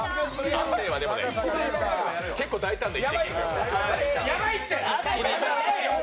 亜生はでもね、結構大胆だよ。